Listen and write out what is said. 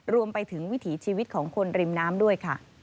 รวมไปถึงวิถีชีวิตของคนริมน้ำด้วยค่ะ